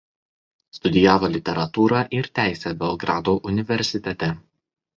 Studijavo literatūrą ir teisę Belgrado universitete.